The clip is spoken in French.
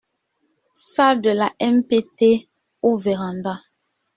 Salle de la MPT ou véranda.